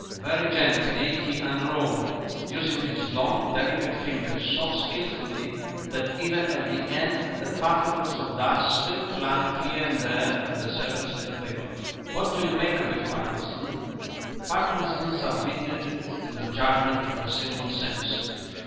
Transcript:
Very gently he unrolled it, using his long, delicate fingers so skilfully that even at the end the particles of dust still clung here and there to the surface of the paper. "What do you make of it, Parkinson?" Parkinson submitted it to the judgment of a single sense.